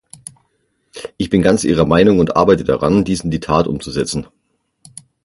Ich bin ganz Ihrer Meinung und arbeite daran, dies in die Tat umzusetzen.